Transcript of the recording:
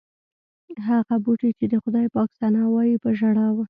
هغه بوټي چې د خدای پاک ثنا وایي په ژړا و.